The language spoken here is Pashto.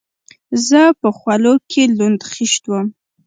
زه په خولو کښې لوند خيشت وم.